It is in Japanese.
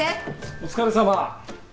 お疲れさま。